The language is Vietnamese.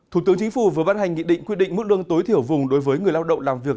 thủ tướng chính phủ vừa ban hành nghị định quy định mức lương tối thiểu vùng đối với người lao động làm việc